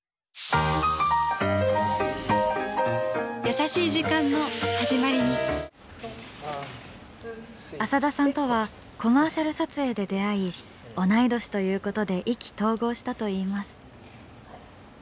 優しい時間の始まりに浅田さんとはコマーシャル撮影で出会い同い年ということで意気投合したといいます。